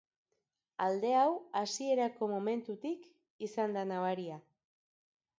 Alde hau hasierako momentutik izan da nabaria.